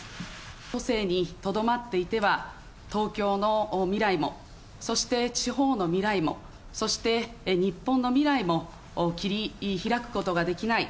都政にとどまっていては、東京の未来も、そして地方の未来も、そして日本の未来も切り開くことができない。